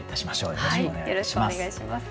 よろしくお願いします。